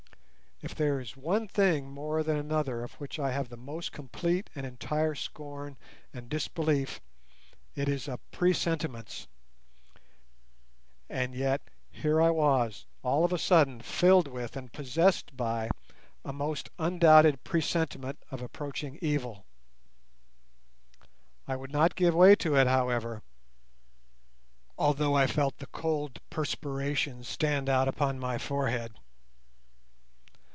If there is one thing more than another of which I have the most complete and entire scorn and disbelief, it is of presentiments, and yet here I was all of a sudden filled with and possessed by a most undoubted presentiment of approaching evil. I would not give way to it, however, although I felt the cold perspiration stand out upon my forehead.